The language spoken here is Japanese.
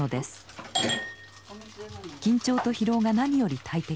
緊張と疲労が何より大敵。